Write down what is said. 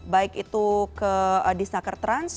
baik itu ke disnaker trans